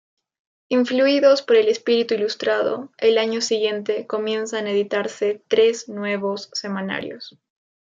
Influidos por el espíritu ilustrado, el año siguiente comienzan a editarse tres nuevos semanarios.